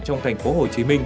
trong thành phố hồ chí minh